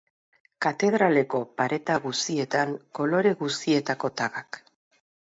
Katedraleko pareta guzietan kolore guzietako tagak.